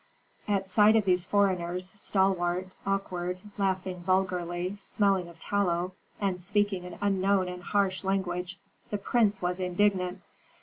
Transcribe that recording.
At sight of these foreigners, stalwart, awkward, laughing vulgarly, smelling of tallow, and speaking an unknown and harsh language, the prince was indignant.